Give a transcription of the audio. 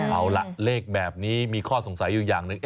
เอาล่ะเลขแบบนี้มีข้อสงสัยอยู่อย่างหนึ่ง